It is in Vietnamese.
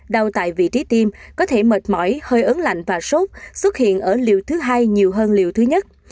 đau tại vị trí tim có thể mệt mỏi hơi ấn lạnh và sốt xuất hiện ở liều thứ hai nhiều hơn liều thứ nhất